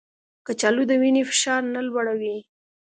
کچالو د وینې فشار نه لوړوي